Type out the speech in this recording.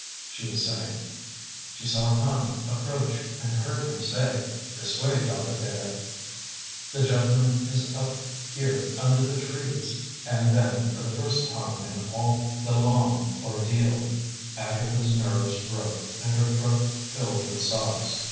she was saying. She saw Hand approach and heard him say: "This way, Doctor Thayer. The gentleman is up here under the trees," and then, for the first time in all the long ordeal, Agatha's nerves broke and her throat filled with sobs.